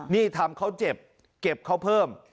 นี่ทำเขาเจ็บเก็บเขาเพิ่ม